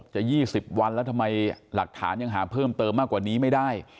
จะ๒๐วันแล้วทำไมหลักฐานยังหาเพิ่มเติมมากกว่านี้ไม่ได้